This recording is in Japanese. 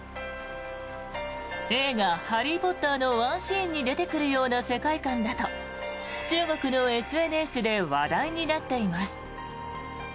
映画「ハリー・ポッター」のワンシーンに出てくるような世界観だと中国のＳＮＳで話題になっています。